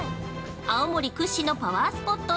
青森屈指のパワースポット